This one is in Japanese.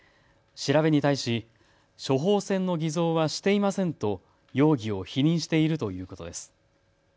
調べに対し処方箋の偽造はしていませんと容疑を否認しているということです。